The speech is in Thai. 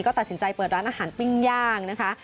ก็ตัดสินใจเปิดร้านอาหารปิ้งย่างนะคะ